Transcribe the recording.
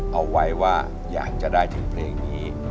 เอาไว้ว่าอยากจะได้ถึงเพลงนี้